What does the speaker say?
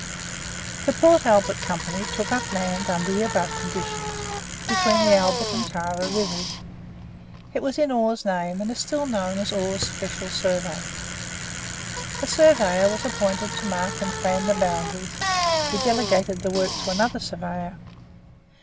The Port Albert Company took up land, under the above conditions, between the Albert and Tarra rivers. It was in Orr's name, and is still known as Orr's Special Survey. A surveyor was appointed to mark and plan the boundaries; he delegated the work to another surveyor.